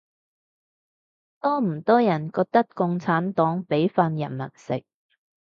多唔多人覺得共產黨畀飯人民食